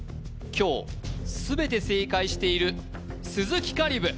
今日すべて正解している鈴木香里武